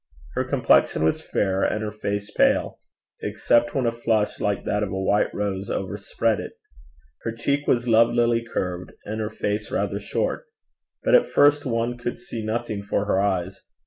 Her complexion was fair, and her face pale, except when a flush, like that of a white rose, overspread it. Her cheek was lovelily curved, and her face rather short. But at first one could see nothing for her eyes.